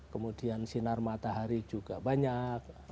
kemudian sinar matahari juga banyak